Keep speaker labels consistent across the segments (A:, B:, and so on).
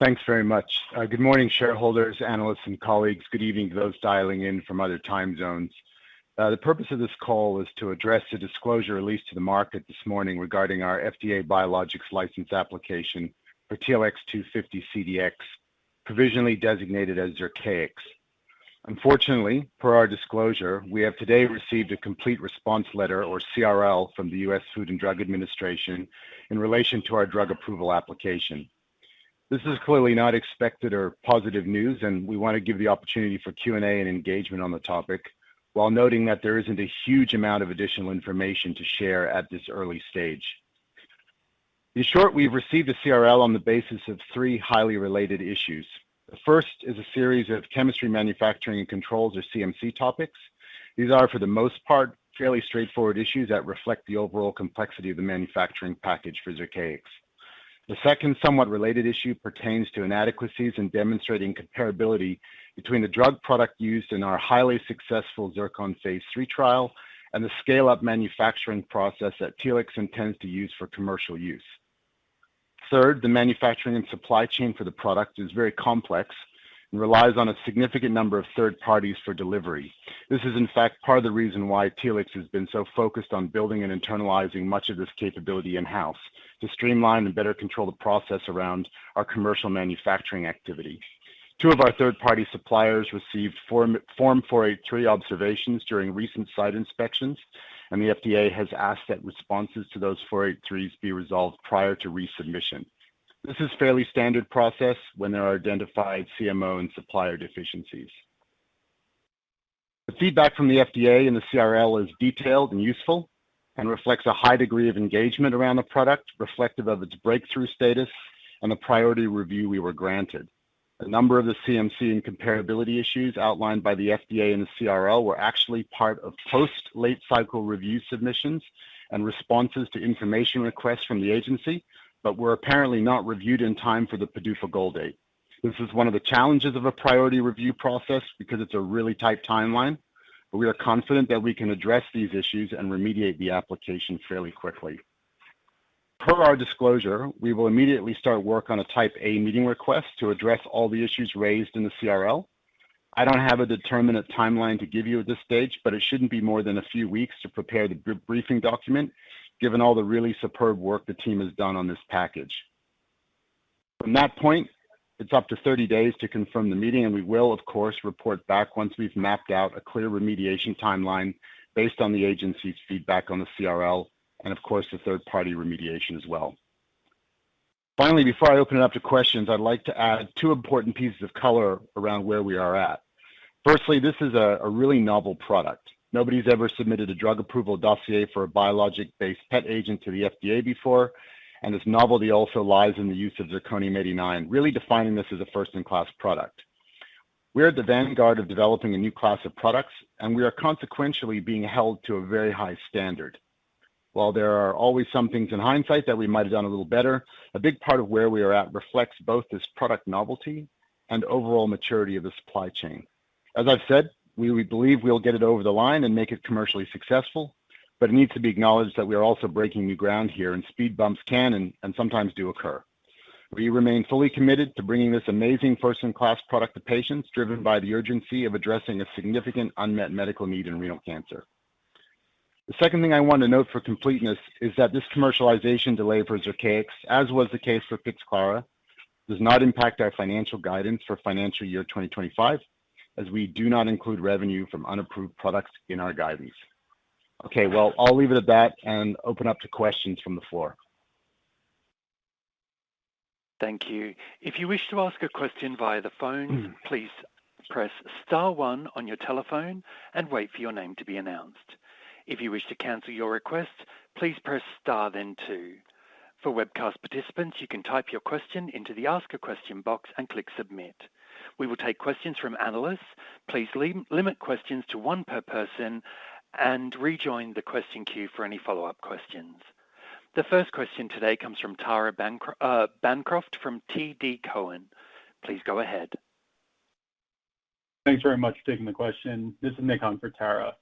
A: Thanks very much. Good morning, shareholders, analysts, and colleagues. Good evening to those dialing in from other time zones. The purpose of this call is to address the disclosure released to the market this morning regarding our FDA Biologics License Application for Telix Pharmaceuticals 250 CDx, provisionally designated as Zyrtex. Unfortunately, per our disclosure, we have today received a Complete Response Letter, or CRL, from the U.S. Food and Drug Administration in relation to our drug approval application. This is clearly not expected or positive news, and we want to give the opportunity for Q&A and engagement on the topic while noting that there isn't a huge amount of additional information to share at this early stage. In short, we have received a CRL on the basis of three highly related issues. The first is a series of chemistry, manufacturing, and controls, or CMC, topics. These are, for the most part, fairly straightforward issues that reflect the overall complexity of the manufacturing package for Zyrtex. The second, somewhat related issue, pertains to inadequacies in demonstrating comparability between the drug product used in our highly successful Phase III Zircon trial and the scale-up manufacturing process that Telix Pharmaceuticals intends to use for commercial use. Third, the manufacturing and supply chain for the product is very complex and relies on a significant number of third parties for delivery. This is, in fact, part of the reason why Telix Pharmaceuticals has been so focused on building and internalizing much of this capability in-house to streamline and better control the process around our commercial manufacturing activity. Two of our third-party suppliers received Form 483 observations during recent site inspections, and the FDA has asked that responses to those 483s be resolved prior to resubmission. This is a fairly standard process when there are identified CMO and supplier deficiencies. The feedback from the FDA and the CRL is detailed and useful and reflects a high degree of engagement around the product, reflective of its breakthrough status and the priority review we were granted. A number of the CMC and comparability issues outlined by the FDA and the CRL were actually part of post-late cycle review submissions and responses to information requests from the agency, but were apparently not reviewed in time for the PDUFA goal date. This is one of the challenges of a priority review process because it's a really tight timeline, but we are confident that we can address these issues and remediate the application fairly quickly. Per our disclosure, we will immediately start work on a Type A meeting request to address all the issues raised in the CRL. I don't have a determinate timeline to give you at this stage, but it shouldn't be more than a few weeks to prepare the briefing document, given all the really superb work the team has done on this package. From that point, it's up to 30 days to confirm the meeting, and we will, of course, report back once we've mapped out a clear remediation timeline based on the agency's feedback on the CRL and, of course, the third-party remediation as well. Finally, before I open it up to questions, I'd like to add two important pieces of color around where we are at. Firstly, this is a really novel product. Nobody's ever submitted a drug approval dossier for a biologic-based PET agent to the FDA before, and this novelty also lies in the use of zirconium-89, really defining this as a first-in-class product. We're at the vanguard of developing a new class of products, and we are consequentially being held to a very high standard. While there are always some things in hindsight that we might have done a little better, a big part of where we are at reflects both this product novelty and overall maturity of the supply chain. As I've said, we believe we'll get it over the line and make it commercially successful, but it needs to be acknowledged that we are also breaking new ground here, and speed bumps can and sometimes do occur. We remain fully committed to bringing this amazing first-in-class product to patients, driven by the urgency of addressing a significant unmet medical need in renal cancer. The second thing I want to note for completeness is that this commercialization delay for Zyrtex, as was the case for Pixclara, does not impact our financial guidance for financial year 2025, as we do not include revenue from unapproved products in our guidance. Okay, I’ll leave it at that and open up to questions from the floor.
B: Thank you. If you wish to ask a question via the phones, please press star one on your telephone and wait for your name to be announced. If you wish to cancel your request, please press star then two. For webcast participants, you can type your question into the ask a question box and click submit. We will take questions from analysts. Please limit questions to one per person and rejoin the question queue for any follow-up questions. The first question today comes from Tara Bancroft from TD Cowen. Please go ahead.
C: Thanks very much for taking the question. This is Nick Hunt for Tara.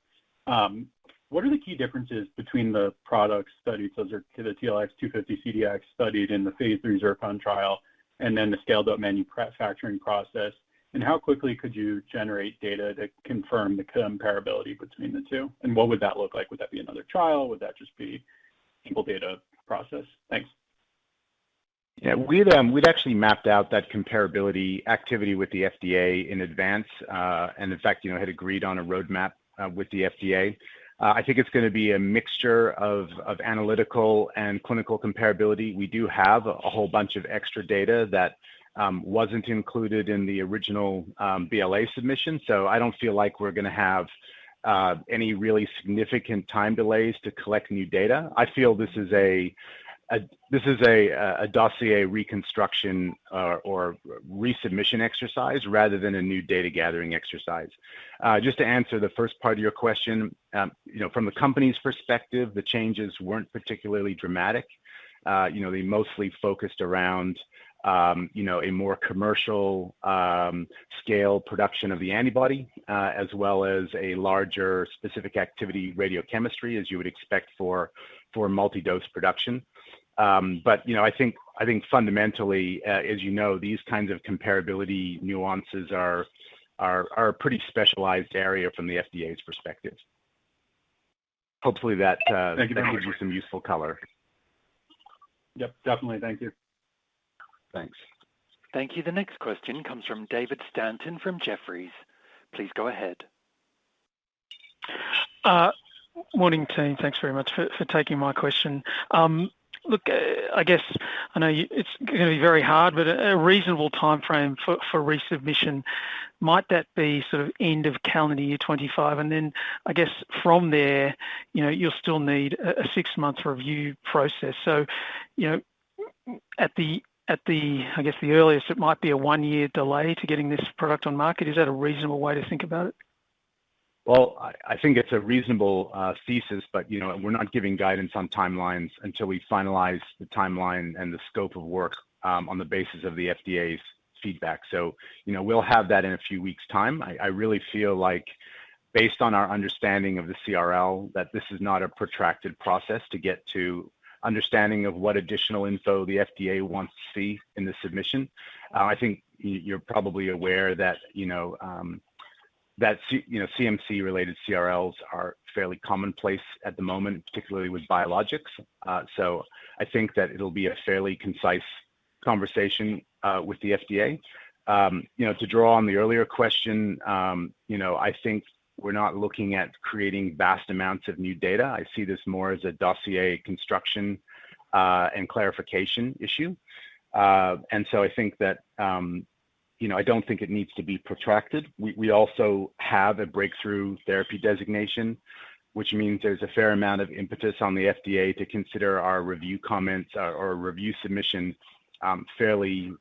C: What are the key differences between the products studied, so the Telix Pharmaceuticals 250 CDx studied in the Phase III Zircon trial and then the scaled-up manufacturing process, and how quickly could you generate data to confirm the comparability between the two? What would that look like? Would that be another trial? Would that just be a single data process? Thanks.
A: Yeah, we'd actually mapped out that comparability activity with the FDA in advance and, in fact, had agreed on a roadmap with the FDA. I think it's going to be a mixture of analytical and clinical comparability. We do have a whole bunch of extra data that wasn't included in the original BLA submission, so I don't feel like we're going to have any really significant time delays to collect new data. I feel this is a dossier reconstruction or resubmission exercise rather than a new data gathering exercise. Just to answer the first part of your question, from the company's perspective, the changes weren't particularly dramatic. They mostly focused around a more commercial scale production of the antibody as well as a larger specific activity radiochemistry, as you would expect for multi-dose production. I think fundamentally, as you know, these kinds of comparability nuances are a pretty specialized area from the FDA's perspective. Hopefully, that gives you some useful color.
C: Yep, definitely. Thank you.
A: Thanks.
B: Thank you. The next question comes from David Stanton from Jefferies. Please go ahead.
D: Morning, Tony. Thanks very much for taking my question. I guess I know it's going to be very hard, but a reasonable timeframe for resubmission, might that be sort of end of calendar year 2025? I guess from there, you'll still need a six-month review process. At the earliest, it might be a one-year delay to getting this product on the market. Is that a reasonable way to think about it?
A: I think it's a reasonable thesis, but we're not giving guidance on timelines until we finalize the timeline and the scope of work on the basis of the FDA's feedback. We'll have that in a few weeks' time. I really feel like, based on our understanding of the Complete Response Letter, that this is not a protracted process to get to understanding of what additional info the FDA wants to see in the submission. I think you're probably aware that CMC-related CRLs are fairly commonplace at the moment, particularly with biologics. I think that it'll be a fairly concise conversation with the FDA. To draw on the earlier question, I think we're not looking at creating vast amounts of new data. I see this more as a dossier construction and clarification issue. I don't think it needs to be protracted. We also have a breakthrough therapy designation, which means there's a fair amount of impetus on the FDA to consider our review comments or review submission fairly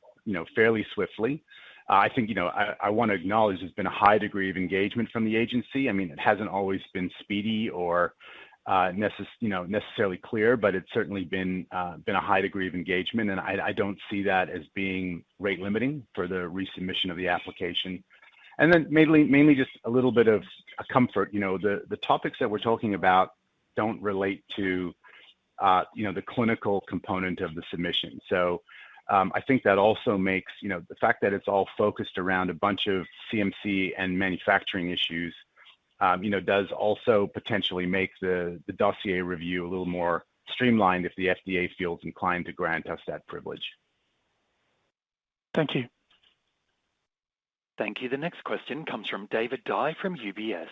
A: swiftly. I want to acknowledge there's been a high degree of engagement from the agency. It hasn't always been speedy or necessarily clear, but it's certainly been a high degree of engagement, and I don't see that as being rate limiting for the resubmission of the application. Mainly just a little bit of comfort. The topics that we're talking about don't relate to the clinical component of the submission. I think that also makes the fact that it's all focused around a bunch of CMC and manufacturing issues potentially make the dossier review a little more streamlined if the FDA feels inclined to grant us that privilege.
D: Thank you.
B: Thank you. The next question comes from David Dye from UBS.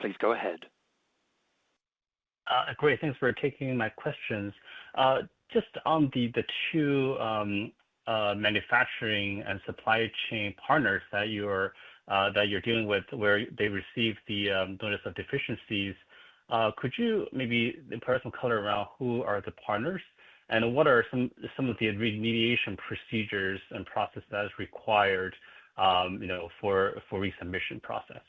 B: Please go ahead.
E: Great, thanks for taking my questions. Just on the two manufacturing and supply chain partners that you're dealing with where they received the notice of deficiencies, could you maybe impart some color around who are the partners and what are some of the remediation procedures and processes that are required for the resubmission process?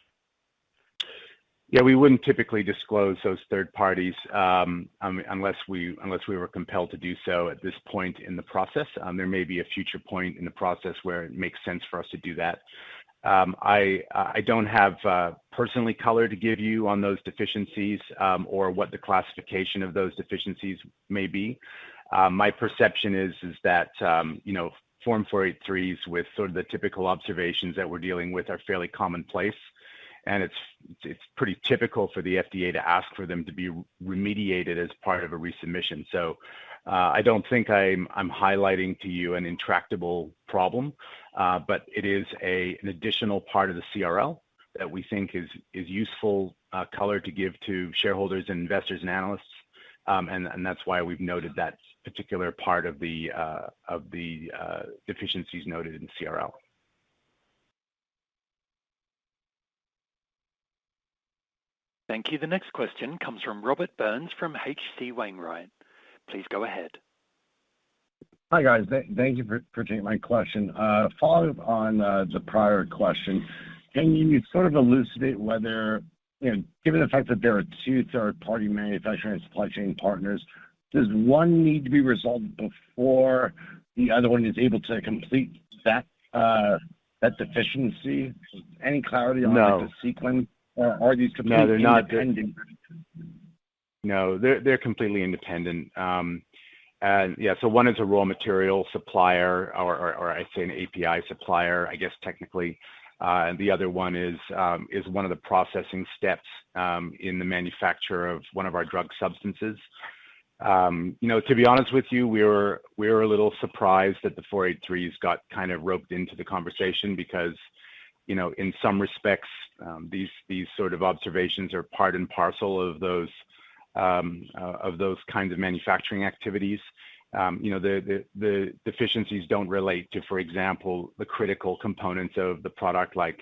A: Yeah, we wouldn't typically disclose those third parties unless we were compelled to do so at this point in the process. There may be a future point in the process where it makes sense for us to do that. I don't have personally color to give you on those deficiencies or what the classification of those deficiencies may be. My perception is that, you know, Form 483s with sort of the typical observations that we're dealing with are fairly commonplace, and it's pretty typical for the FDA to ask for them to be remediated as part of a resubmission. I don't think I'm highlighting to you an intractable problem, but it is an additional part of the CRL that we think is useful color to give to shareholders and investors and analysts, and that's why we've noted that particular part of the deficiencies noted in the CRL.
B: Thank you. The next question comes from Robert Burns from HC Wainwright. Please go ahead.
F: Hi, guys. Thank you for taking my question. Following up on the prior question, can you sort of elucidate whether, you know, given the fact that there are two third-party manufacturing and supply chain partners, does one need to be resolved before the other one is able to complete that deficiency? Any clarity on the sequence, or are these two parts independent?
A: No, they're completely independent. One is a raw material supplier, or I say an API supplier, I guess technically, and the other one is one of the processing steps in the manufacture of one of our drug substances. To be honest with you, we were a little surprised that the 483s got kind of roped into the conversation because, in some respects, these sort of observations are part and parcel of those kinds of manufacturing activities. The deficiencies don't relate to, for example, the critical components of the product, like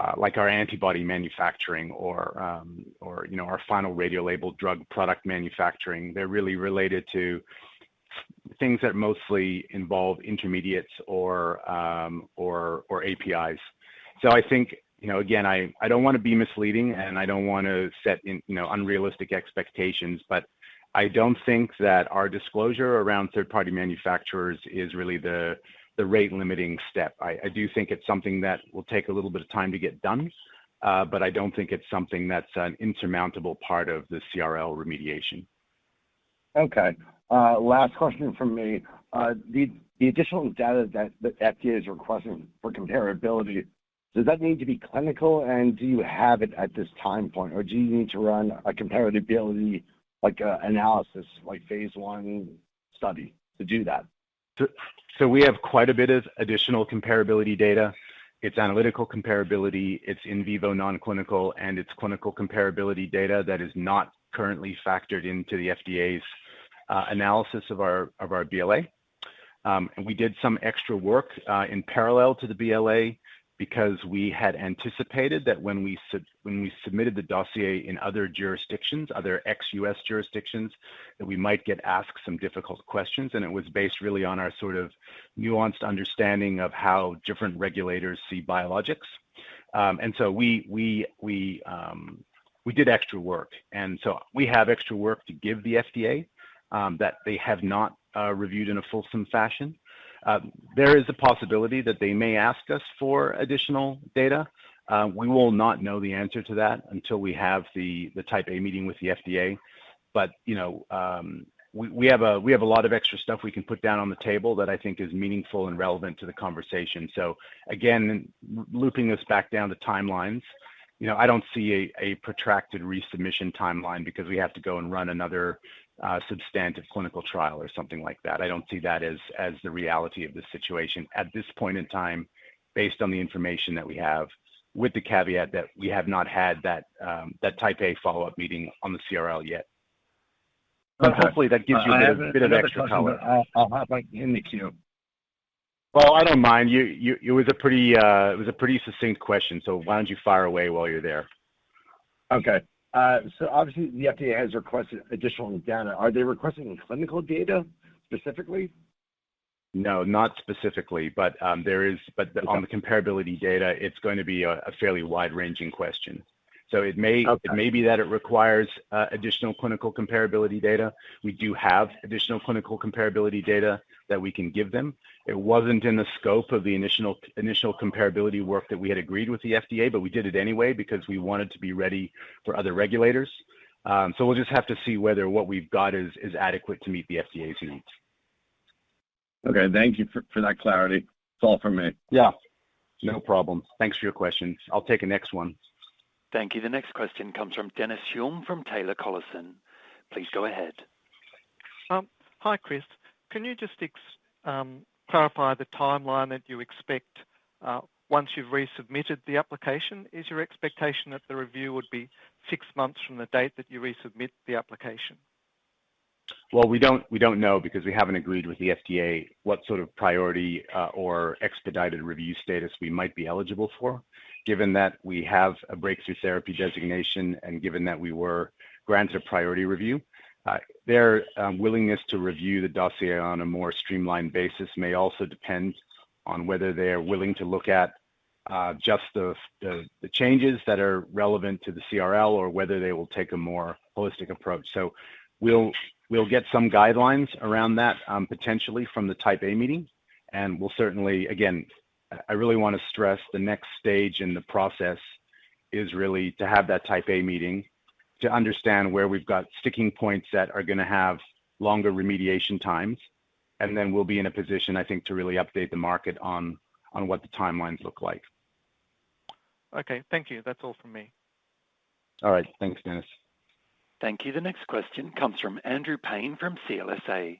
A: our antibody manufacturing or our final radio labeled drug product manufacturing. They're really related to things that mostly involve intermediates or APIs. I think, again, I don't want to be misleading, and I don't want to set unrealistic expectations, but I don't think that our disclosure around third-party manufacturers is really the rate-limiting step. I do think it's something that will take a little bit of time to get done, but I don't think it's something that's an insurmountable part of the CRL remediation.
F: Okay. Last question from me. The additional data that the FDA is requesting for comparability, does that need to be clinical, and do you have it at this time point, or do you need to run a comparability analysis, like Phase I study, to do that?
A: We have quite a bit of additional comparability data. It's analytical comparability, it's in vivo non-clinical, and it's clinical comparability data that is not currently factored into the FDA's analysis of our BLA. We did some extra work in parallel to the BLA because we had anticipated that when we submitted the dossier in other jurisdictions, other ex-U.S. jurisdictions, we might get asked some difficult questions, and it was based really on our sort of nuanced understanding of how different regulators see biologics. We did extra work, and we have extra work to give the FDA that they have not reviewed in a fulsome fashion. There is a possibility that they may ask us for additional data. We will not know the answer to that until we have the Type A meeting with the FDA, but we have a lot of extra stuff we can put down on the table that I think is meaningful and relevant to the conversation. Again, looping us back down to timelines, I don't see a protracted resubmission timeline because we have to go and run another substantive clinical trial or something like that. I don't see that as the reality of the situation at this point in time, based on the information that we have, with the caveat that we have not had that Type A follow-up meeting on the CRL yet. Hopefully, that gives you a bit of extra color.
F: I'll have my hand in the queue.
A: I don't mind. It was a pretty succinct question, so why don't you fire away while you're there?
F: Okay. Obviously, the FDA has requested additional data. Are they requesting clinical data specifically?
A: No, not specifically, but on the comparability data, it's going to be a fairly wide-ranging question. It may be that it requires additional clinical comparability data. We do have additional clinical comparability data that we can give them. It wasn't in the scope of the initial comparability work that we had agreed with the FDA, but we did it anyway because we wanted to be ready for other regulators. We'll just have to see whether what we've got is adequate to meet the FDA's needs.
F: Okay. Thank you for that clarity. That's all for me.
A: Yeah, no problem. Thanks for your question. I'll take the next one.
B: Thank you. The next question comes from Dennis Hume from Taylor Collison. Please go ahead.
G: Hi, Chris. Can you just clarify the timeline that you expect once you've resubmitted the application? Is your expectation that the review would be six months from the date that you resubmit the application?
A: We don't know because we haven't agreed with the FDA what sort of priority or expedited review status we might be eligible for. Given that we have a breakthrough therapy designation and given that we were granted a priority review, their willingness to review the dossier on a more streamlined basis may also depend on whether they are willing to look at just the changes that are relevant to the CRL or whether they will take a more holistic approach. We'll get some guidelines around that potentially from the Type A meeting, and I really want to stress the next stage in the process is really to have that Type A meeting to understand where we've got sticking points that are going to have longer remediation times, and then we'll be in a position, I think, to really update the market on what the timelines look like.
G: Okay. Thank you. That's all from me.
A: All right. Thanks, Dennis.
B: Thank you. The next question comes from Andrew Payne from CLSA.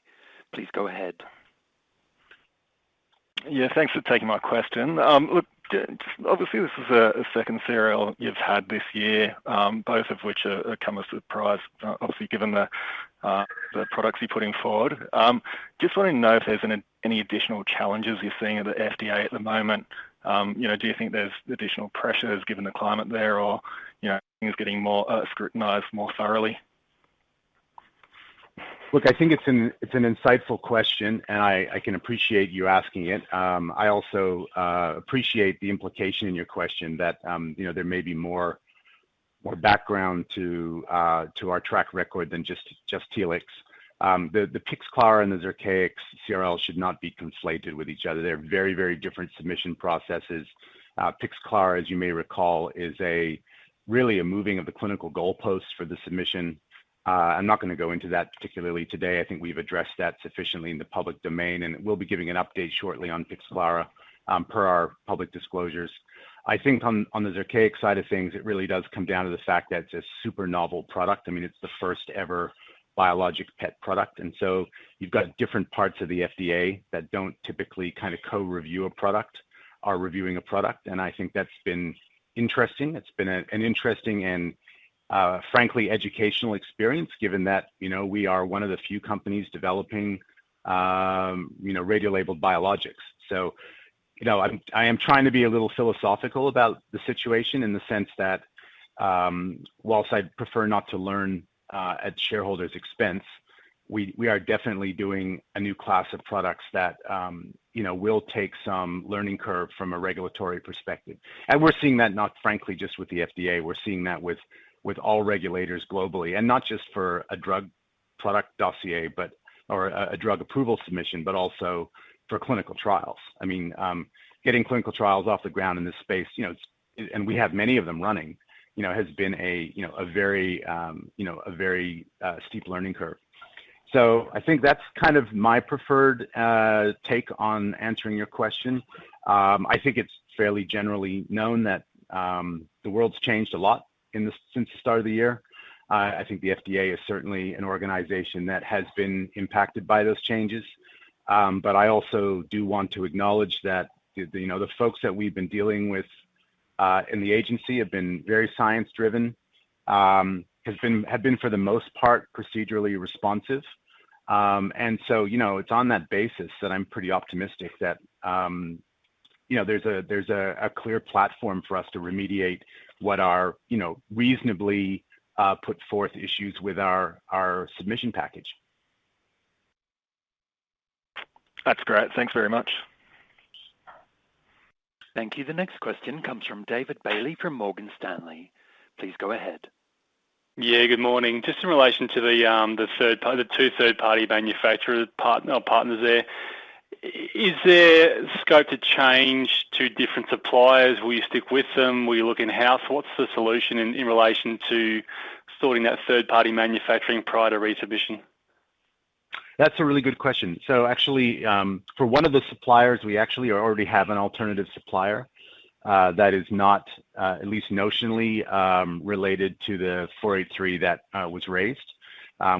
B: Please go ahead.
H: Yeah, thanks for taking my question. Obviously, this is the second serial you've had this year, both of which have come as a surprise, obviously, given the products you're putting forward. Just wanted to know if there's any additional challenges you're seeing at the FDA at the moment. Do you think there's additional pressures given the climate there, or things getting more scrutinized more thoroughly?
A: Look, I think it's an insightful question, and I can appreciate you asking it. I also appreciate the implication in your question that there may be more background to our track record than just Telix Pharmaceuticals. The Pixclara and the Zyrtex CRL should not be conflated with each other. They're very, very different submission processes. Pixclara, as you may recall, is really a moving of the clinical goalpost for the submission. I'm not going to go into that particularly today. I think we've addressed that sufficiently in the public domain, and we'll be giving an update shortly on Pixclara per our public disclosures. I think on the Zyrtex side of things, it really does come down to the fact that it's a super novel product. I mean, it's the first ever biologic PET product, and so you've got different parts of the FDA that don't typically kind of co-review a product or reviewing a product, and I think that's been interesting. It's been an interesting and, frankly, educational experience given that we are one of the few companies developing radio labeled biologics. I am trying to be a little philosophical about the situation in the sense that, whilst I'd prefer not to learn at shareholders' expense, we are definitely doing a new class of products that will take some learning curve from a regulatory perspective. We're seeing that not, frankly, just with the FDA. We're seeing that with all regulators globally, and not just for a drug product dossier or a drug approval submission, but also for clinical trials. I mean, getting clinical trials off the ground in this space, and we have many of them running, has been a very steep learning curve. I think that's kind of my preferred take on answering your question. I think it's fairly generally known that the world's changed a lot since the start of the year. I think the FDA is certainly an organization that has been impacted by those changes, but I also do want to acknowledge that the folks that we've been dealing with in the agency have been very science-driven, have been, for the most part, procedurally responsive. It's on that basis that I'm pretty optimistic that there's a clear platform for us to remediate what are reasonably put forth issues with our submission package.
H: That's great. Thanks very much.
B: Thank you. The next question comes from David Bailey from Morgan Stanley. Please go ahead.
I: Good morning. Just in relation to the two third-party manufacturers or partners there, is there scope to change to different suppliers? Will you stick with them? Will you look in-house? What's the solution in relation to sorting that third-party manufacturing prior to resubmission?
A: That's a really good question. For one of the suppliers, we actually already have an alternative supplier that is not, at least notionally, related to the Form 483 that was raised.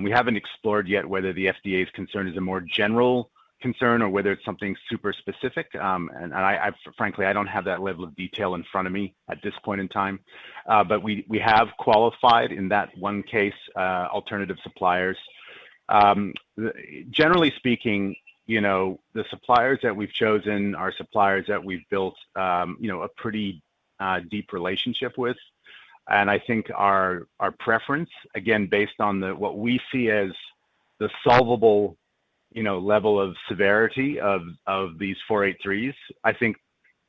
A: We haven't explored yet whether the FDA's concern is a more general concern or whether it's something super specific, and frankly, I don't have that level of detail in front of me at this point in time, but we have qualified, in that one case, alternative suppliers. Generally speaking, the suppliers that we've chosen are suppliers that we've built a pretty deep relationship with, and I think our preference, again, based on what we see as the solvable level of severity of these Form 483s. I think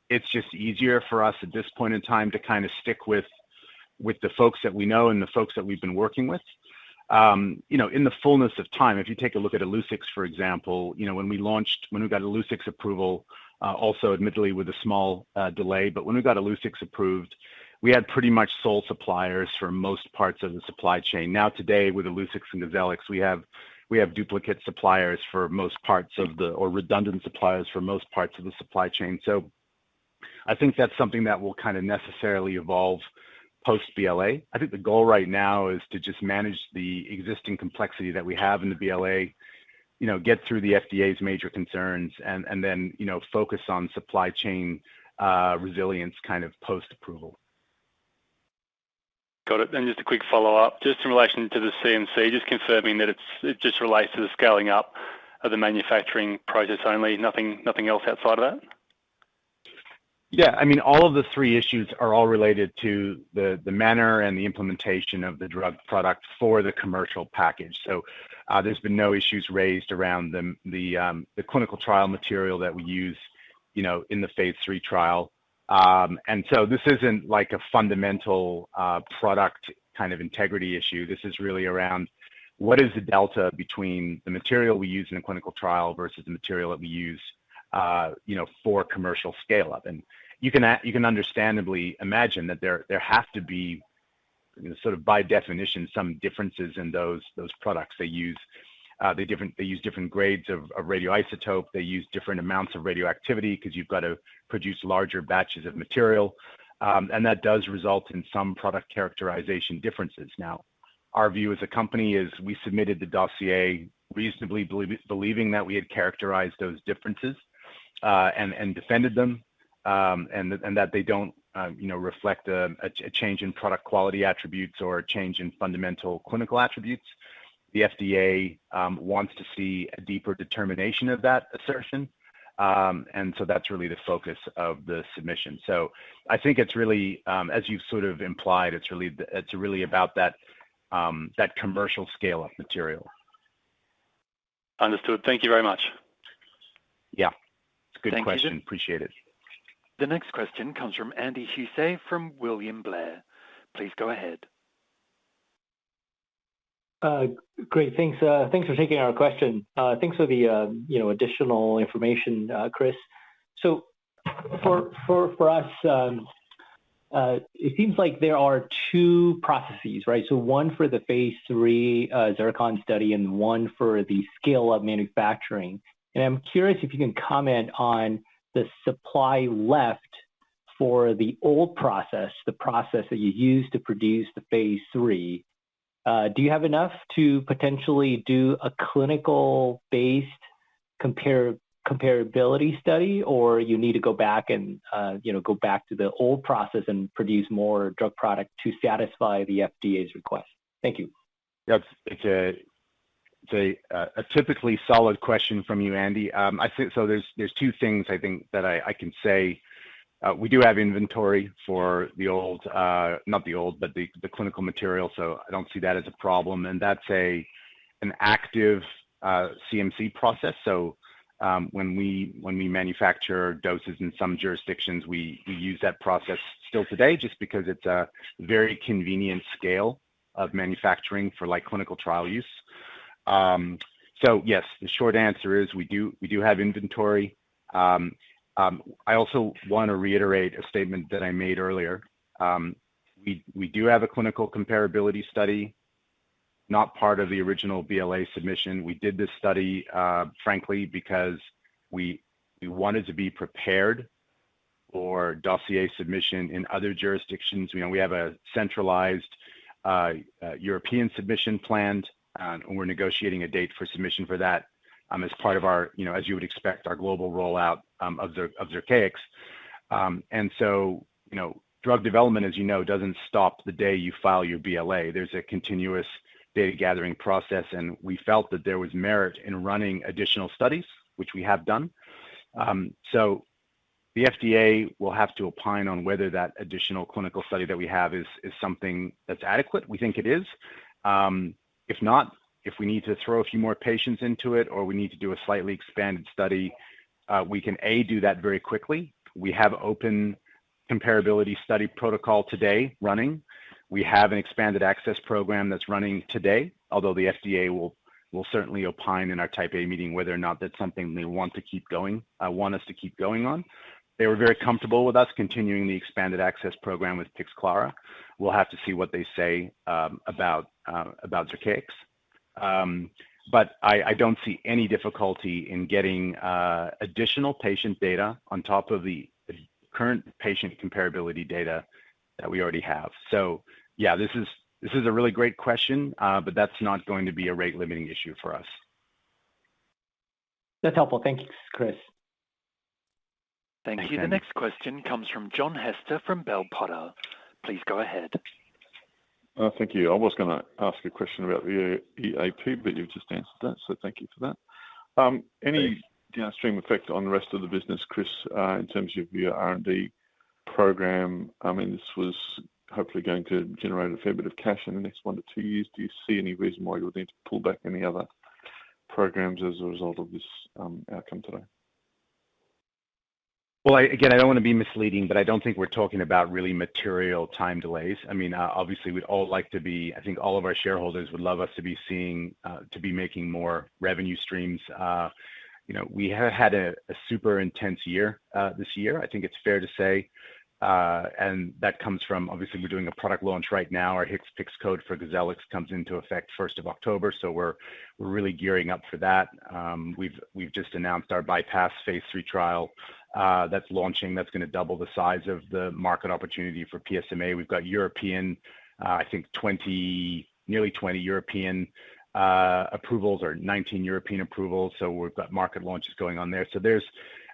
A: it's just easier for us at this point in time to kind of stick with the folks that we know and the folks that we've been working with. In the fullness of time, if you take a look at Illuccix, for example, when we launched, when we got Illuccix approval, also admittedly with a small delay, but when we got Illuccix approved, we had pretty much sole suppliers for most parts of the supply chain. Now, today, with Illuccix and GalliX, we have duplicate suppliers for most parts of the, or redundant suppliers for most parts of the supply chain. I think that's something that will kind of necessarily evolve post-BLA. I think the goal right now is to just manage the existing complexity that we have in the BLA, get through the FDA's major concerns, and then focus on supply chain resilience kind of post-approval.
I: Got it. Just a quick follow-up, just in relation to the CMC, just confirming that it just relates to the scaling up of the manufacturing process only, nothing else outside of that?
A: Yeah, I mean all of the three issues are all related to the manner and the implementation of the drug product for the commercial package. There's been no issues raised around the clinical trial material that we use in the Phase III Zircon trial. This isn't like a fundamental product kind of integrity issue. This is really around what is the delta between the material we use in a clinical trial versus the material that we use for commercial scale-up. You can understandably imagine that there have to be, by definition, some differences in those products. They use different grades of radioisotope. They use different amounts of radioactivity because you've got to produce larger batches of material, and that does result in some product characterization differences. Our view as a company is we submitted the dossier reasonably believing that we had characterized those differences and defended them, and that they don't reflect a change in product quality attributes or a change in fundamental clinical attributes. The FDA wants to see a deeper determination of that assertion, and that's really the focus of the submission. I think it's really, as you've sort of implied, it's really about that commercial scale-up material.
I: Understood. Thank you very much.
A: Yeah, good question. Appreciate it.
B: The next question comes from Andy Hussey from William Blair. Please go ahead.
J: Great, thanks. Thanks for taking our question. Thanks for the additional information, Chris. For us, it seems like there are two processes, right? One for the Phase III Zircon study and one for the scale-up manufacturing. I'm curious if you can comment on the supply left for the old process, the process that you use to produce the Phase III. Do you have enough to potentially do a clinical-based comparability study, or do you need to go back and go back to the old process and produce more drug product to satisfy the FDA's request? Thank you.
A: That's a typically solid question from you, Andy. I think there are two things I can say. We do have inventory for the old, not the old, but the clinical material, so I don't see that as a problem. That's an active chemistry, manufacturing, and controls process. When we manufacture doses in some jurisdictions, we use that process still today just because it's a very convenient scale of manufacturing for, like, clinical trial use. Yes, the short answer is we do have inventory. I also want to reiterate a statement that I made earlier. We do have a clinical comparability study, not part of the original BLA submission. We did this study, frankly, because we wanted to be prepared for dossier submission in other jurisdictions. We have a centralized European submission planned, and we're negotiating a date for submission for that as part of our, as you would expect, our global rollout of Zyrtex. Drug development, as you know, doesn't stop the day you file your BLA. There's a continuous data gathering process, and we felt that there was merit in running additional studies, which we have done. The FDA will have to opine on whether that additional clinical study that we have is something that's adequate. We think it is. If not, if we need to throw a few more patients into it or we need to do a slightly expanded study, we can do that very quickly. We have an open comparability study protocol today running. We have an expanded access program that's running today, although the FDA will certainly opine in our Type A meeting whether or not that's something they want to keep going, want us to keep going on. They were very comfortable with us continuing the expanded access program with Pixclara. We'll have to see what they say about Zyrtex. I don't see any difficulty in getting additional patient data on top of the current patient comparability data that we already have. This is a really great question, but that's not going to be a rate-limiting issue for us.
J: That's helpful. Thank you, Chris.
A: Thank you.
B: Thank you. The next question comes from John Hester from Bell Potter. Please go ahead.
K: Thank you. I was going to ask a question about the EAP, but you've just answered that, so thank you for that. Any downstream effect on the rest of the business, Chris, in terms of your R&D program? I mean, this was hopefully going to generate a fair bit of cash in the next one to two years. Do you see any reason why you would need to pull back any other programs as a result of this outcome today?
A: I don't want to be misleading, but I don't think we're talking about really material time delays. Obviously, we'd all like to be, I think all of our shareholders would love us to be seeing, to be making more revenue streams. We have had a super intense year this year, I think it's fair to say, and that comes from, obviously, we're doing a product launch right now. Our HCPCS code for Illuccix comes into effect 1st of October, so we're really gearing up for that. We've just announced our BYPASS Phase III trial that's launching. That's going to double the size of the market opportunity for PSMA. We've got nearly 20 European approvals or 19 European approvals, so we've got market launches going on there. There's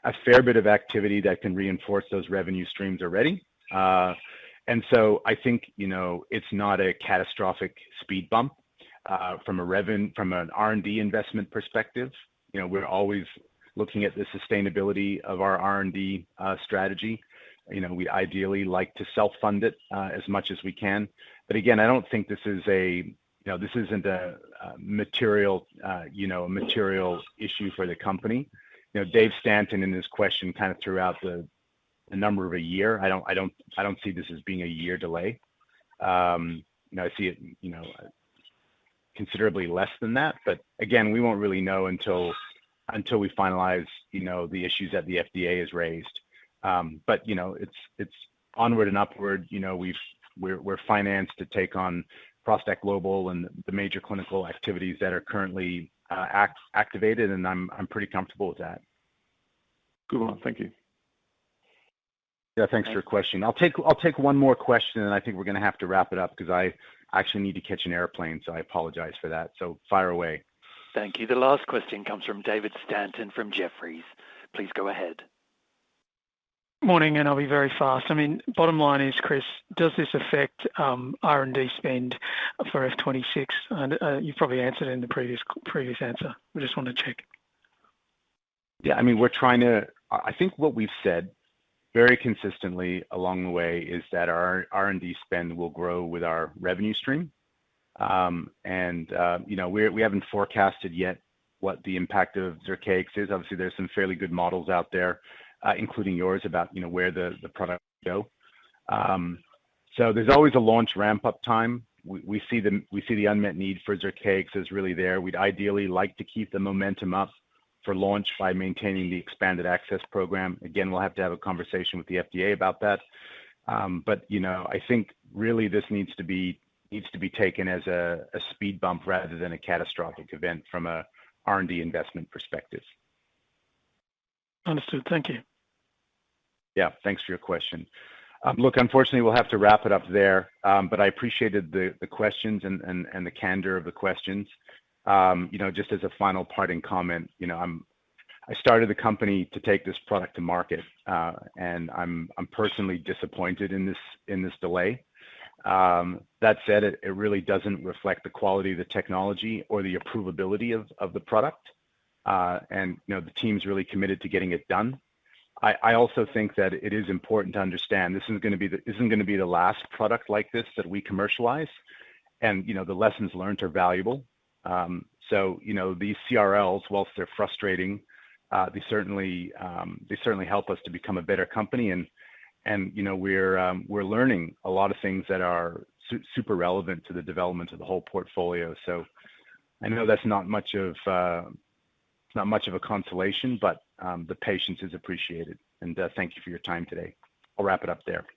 A: a fair bit of activity that can reinforce those revenue streams already. I think it's not a catastrophic speed bump from an R&D investment perspective. We're always looking at the sustainability of our R&D strategy. We ideally like to self-fund it as much as we can. Again, I don't think this is a material issue for the company. Dave Stanton in his question kind of threw out the number of a year. I don't see this as being a year delay. I see it as considerably less than that. Again, we won't really know until we finalize the issues that the FDA has raised. It's onward and upward. We're financed to take on Prospect Global and the major clinical activities that are currently activated, and I'm pretty comfortable with that.
K: Good one. Thank you.
A: Yeah, thanks for your question. I'll take one more question, and I think we're going to have to wrap it up because I actually need to catch an airplane, so I apologize for that. Fire away.
B: Thank you. The last question comes from David Stanton from Jefferies. Please go ahead.
D: Morning, and I'll be very fast. I mean, bottom line is, Chris, does this affect R&D spend for F2026? You've probably answered it in the previous answer. We just want to check.
A: Yeah, I mean, we're trying to, I think what we've said very consistently along the way is that our R&D spend will grow with our revenue stream. We haven't forecasted yet what the impact of Zyrtex is. Obviously, there's some fairly good models out there, including yours, about where the product will go. There's always a launch ramp-up time. We see the unmet need for Zyrtex is really there. We'd ideally like to keep the momentum up for launch by maintaining the expanded access program. We'll have to have a conversation with the FDA about that. I think really this needs to be taken as a speed bump rather than a catastrophic event from an R&D investment perspective.
D: Understood. Thank you.
A: Yeah, thanks for your question. Unfortunately, we'll have to wrap it up there, but I appreciated the questions and the candor of the questions. Just as a final parting comment, I started the company to take this product to market, and I'm personally disappointed in this delay. That said, it really doesn't reflect the quality of the technology or the approvability of the product, and the team's really committed to getting it done. I also think that it is important to understand this isn't going to be the last product like this that we commercialize, and the lessons learned are valuable. These CRLs, whilst they're frustrating, certainly help us to become a better company, and we're learning a lot of things that are super relevant to the development of the whole portfolio. I know that's not much of a consolation, but the patience is appreciated, and thank you for your time today. I'll wrap it up there.